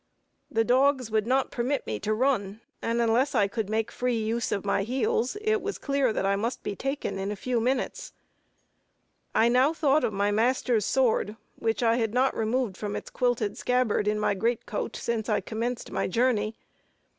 The dogs would not permit me to run, and unless I could make free use of my heels, it was clear that I must be taken in a few minutes. I now thought of my master's sword, which I had not removed from its quilted scabbard, in my great coat, since I commenced my journey.